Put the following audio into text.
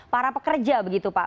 para pekerja begitu pak